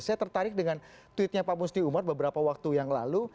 saya tertarik dengan tweetnya pak musti umar beberapa waktu yang lalu